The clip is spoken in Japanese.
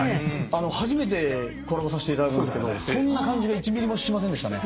初めてコラボさせていただくんですけどそんな感じが１ｍｍもしませんでしたね。